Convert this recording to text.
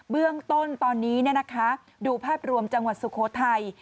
เบื้องต้นตอนนี้ดูภาพรวมจังหวัดสุโขทัย